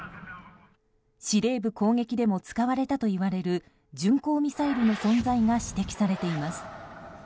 司令部攻撃でも使われたといわれる巡航ミサイルの存在が指摘されています。